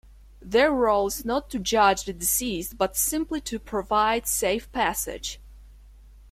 Their role is not to judge the deceased, but simply to provide safe passage.